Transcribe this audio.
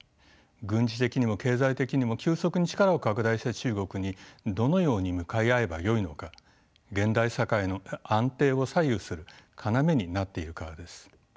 軍事的にも経済的にも急速に力を拡大した中国にどのように向かい合えばよいのか現代社会の安定を左右する要になっているからです。